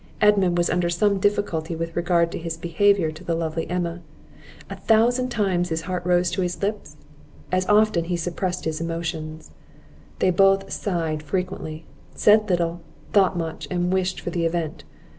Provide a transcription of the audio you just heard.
Edmund was under some difficulty with regard to his behaviour to the lovely Emma; a thousand times his heart rose to his lips, as often he suppressed his emotions; they both sighed frequently, said little, thought much, and wished for the event.